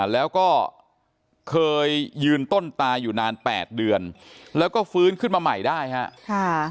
แล้วก็เคยยืนต้นตาอยู่นาน๘เดือนแล้วก็ฟื้นขึ้นมาใหม่ได้ครับ